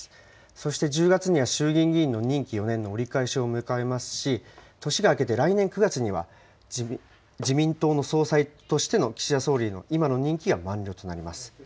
そして、１０月には衆議院議員の任期４年の折り返しを迎えますし、年が明けて来年９月には、自民党の総裁としての岸田総理の今の任期が満了となります。